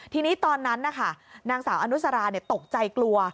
ทีนี้ตอนนั้นนะคะนางสาวอนุสราตกใจกลัว